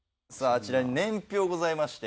あちらに年表ございまして。